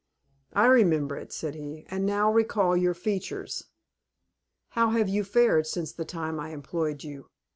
"I remember it," said he, "and now recall your features. How have you fared since the time I employed you?